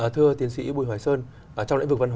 thưa tiến sĩ bùi hoài sơn trong lãnh vực vấn đề